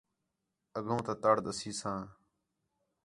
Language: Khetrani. اڳّوں تا تَڑ ݙَسیساں